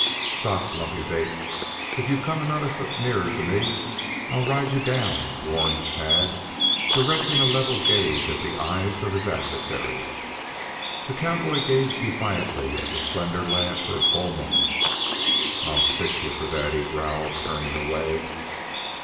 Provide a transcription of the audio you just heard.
"Stop! Lumpy Bates, if you come another foot nearer to me I'll ride you down!" warned Tad, directing a level gaze at the eyes of his adversary. The cowboy gazed defiantly at the slender lad for a full moment. "I'll fix you for that!" he growled, turning away.